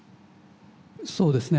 そうですね